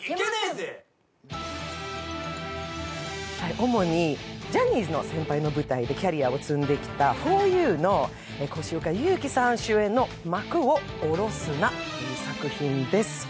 主にジャニーズに先輩の舞台でキャリアを積んできたふぉゆの越岡裕貴さん主演の「まくをおろすな！」という作品です。